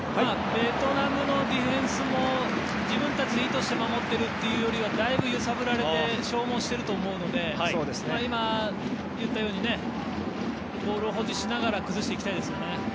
ベトナムのディフェンスも自分たちで意図して守っているというよりはだいぶ揺さぶられて消耗していると思うので今、言ったようにボールを保持しながら崩していきたいですよね。